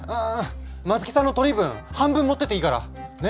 松木さんの取り分半分持ってっていいから。ね。